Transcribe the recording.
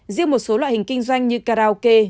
riêng một số loại hình kinh doanh như karaoke